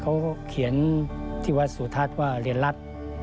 เขาเขียนที่วัดสุทัศน์ว่าเรียนรัฐ